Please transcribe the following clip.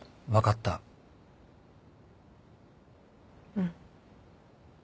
うん。